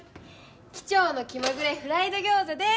機長の気まぐれフライド餃子です。